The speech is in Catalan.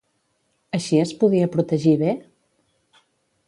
Així es podia protegir bé?